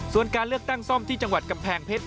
ส่วนการเลือกตั้งซ่อมที่จังหวัดกำแพงเพชร